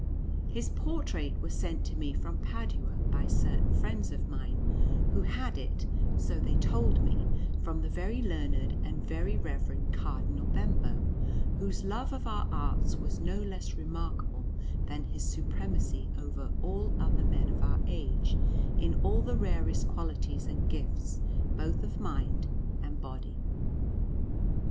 His portrait was sent to me from Padua by certain friends of mine, who had it, so they told me, from the very learned and very reverend Cardinal Bembo, whose love of our arts was no less remarkable than his supremacy over all other men of our age in all the rarest qualities and gifts both of mind and body.